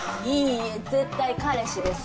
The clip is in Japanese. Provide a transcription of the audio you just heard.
いいえ絶対彼氏です